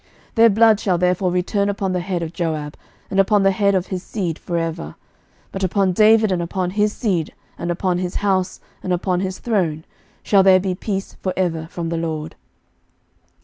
11:002:033 Their blood shall therefore return upon the head of Joab, and upon the head of his seed for ever: but upon David, and upon his seed, and upon his house, and upon his throne, shall there be peace for ever from the LORD.